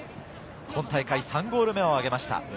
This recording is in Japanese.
今大会３ゴール目を挙げました。